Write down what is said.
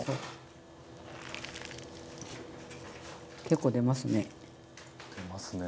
結構出ますね。